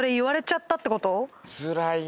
つらいね。